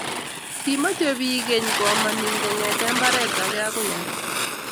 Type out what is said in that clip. kichome biik keny kuomoni ngungete mbaree ake akoi ake